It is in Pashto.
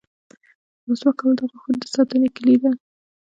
• د مسواک کول د غاښونو د ساتنې کلي ده.